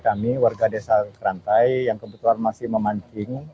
kami warga desa kerantai yang kebetulan masih memancing